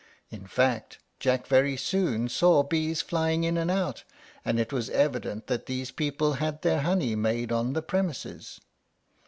In fact, Jack very soon saw bees flying in and out, and it was evident that these people had their honey made on the premises.